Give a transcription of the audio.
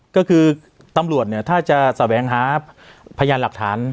ก็คือตำรวจถ้าจะแสบแหงหาพยายามหลักฐาน